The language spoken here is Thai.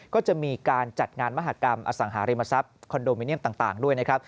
ก็จะมีการจัดงานมหากรรมอสังหาริมทรัพย์คอนโดมิเนียมต่างด้วยนะครับ